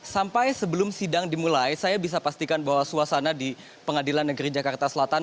sampai sebelum sidang dimulai saya bisa pastikan bahwa suasana di pengadilan negeri jakarta selatan